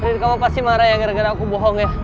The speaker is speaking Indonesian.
kamu pasti marah ya gara gara aku bohong ya